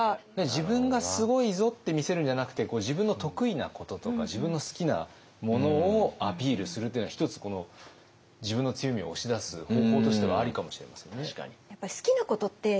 自分がすごいぞって見せるんじゃなくて自分の得意なこととか自分の好きなものをアピールするっていうのは一つこの自分の強みを押し出す方法としてはありかもしれませんね。